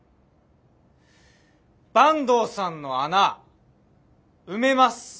坂東さんの穴埋めます。